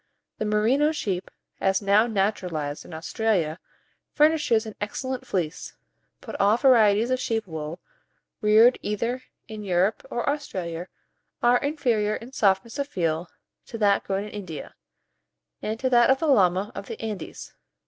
The Merino sheep, as now naturalized in Australia, furnishes an excellent fleece; but all varieties of sheep wool, reared either in Europe or Australia are inferior in softness of feel to that grown in India, and to that of the llama of the Andes.